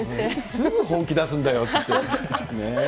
すぐ本気出すんだよって。